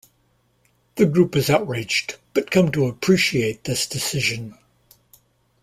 The group is outraged, but come to appreciate this decision.